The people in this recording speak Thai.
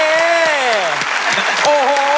โอ้โห